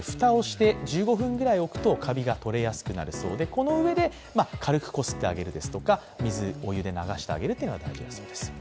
この上で軽くこすってあげるとか水、お湯で流すっていうのが大事です。